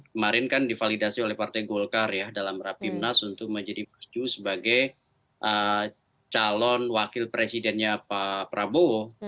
kemarin kan divalidasi oleh partai golkar ya dalam rapimnas untuk menjadi maju sebagai calon wakil presidennya pak prabowo